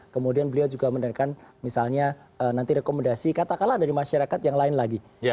kemudian beliau juga mendengarkan misalnya nanti rekomendasi katakanlah dari masyarakat yang lain lagi